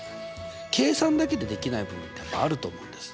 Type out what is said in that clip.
計算だけでできない部分ってやっぱあると思うんです。